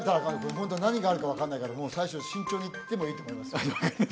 ホント何があるか分かんないからもう最初慎重にいってもいいと思います